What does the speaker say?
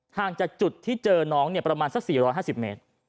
ห่างจากจุดที่เจอน้องประมาณสัก๔๕๐เมตร